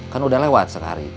kan udah lewat sehari